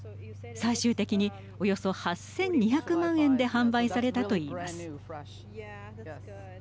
最終的に、およそ８２００万円で販売されたといいます。